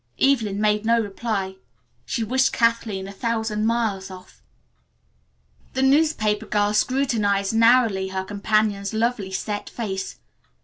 Evelyn made no reply. She wished Kathleen a thousand miles off. The newspaper girl scrutinized narrowly her companion's lovely set face.